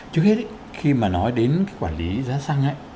trước hết khi mà nói đến cái quản lý giá xăng ấy